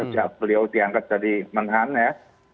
sejak beliau diangkat dari menhan ya